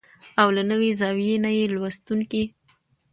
او له نوې زاويې نه يې لوستونکي